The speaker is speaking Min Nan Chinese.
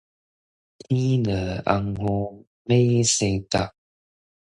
天落紅雨，馬生角